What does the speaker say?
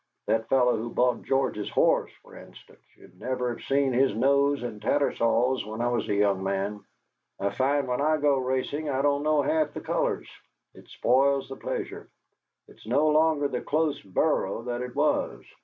That fellow who bought George's horse, for instance; you'd never have seen his nose in Tattersalls when I was a young man. I find when I go racing I don't know half the colours. It spoils the pleasure. It's no longer the close borough that it was.